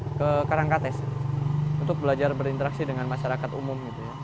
saya ke karangkates untuk belajar berinteraksi dengan masyarakat umum